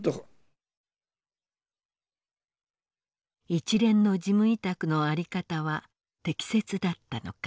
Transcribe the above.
一連の事務委託のあり方は適切だったのか。